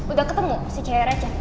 udah ketemu si ceret ya